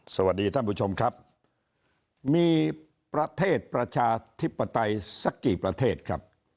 สวัสดีท่านผู้ชมครับมีประเทศประชาธิปไตยสักกี่ประเทศครับ